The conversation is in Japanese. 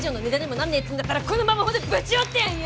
なんねえっつうんだったらこのまま骨ブチ折ってやんよ！